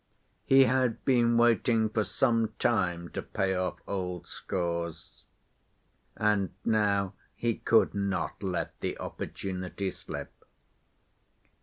He had been waiting for some time to pay off old scores, and now he could not let the opportunity slip.